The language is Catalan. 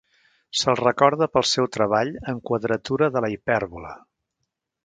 Se'l recorda pel seu treball en quadratura de la hipèrbola.